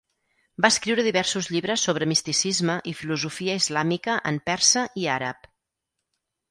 Va escriure diversos llibres sobre misticisme i filosofia islàmica en persa i àrab.